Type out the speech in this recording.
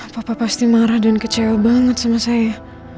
papa pasti marah dan kecewa banget sama saya